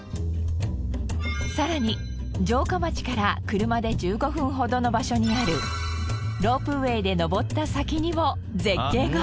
更に城下町から車で１５分ほどの場所にあるロープウェイで上った先にも絶景が。